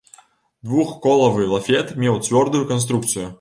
Двухколавы лафет меў цвёрдую канструкцыю.